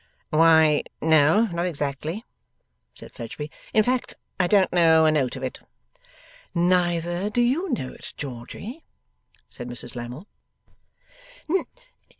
'Why no, not exactly,' said Fledgeby. 'In fact I don't know a note of it.' 'Neither do you know it, Georgy?' said Mrs Lammle.